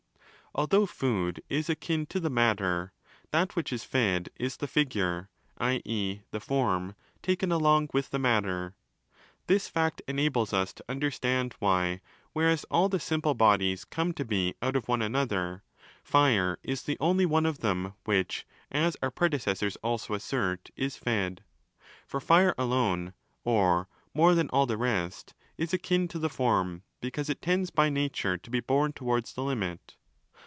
® Although food is akin to the matter, that which is fed is the 'figure'—i.e. the 'form'—taken along with the matter.* This fact enables us to understand why, whereas all the 'simple' bodies come to be out of one another, Fire is the only one of them which (as our predecessors also assert) 'is fed'.© For Fire alone—or more than all the rest—is akin to the 'form' because it tends by nature to be borne towards the limit.